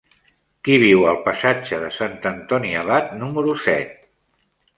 Qui viu al passatge de Sant Antoni Abat número set?